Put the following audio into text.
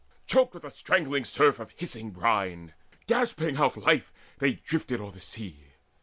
Choked with the strangling surf of hissing brine, Gasping out life, they drifted o'er the sea.